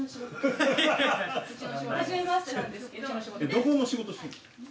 どこの仕事してんの？